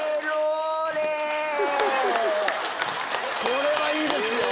これはいいですよ！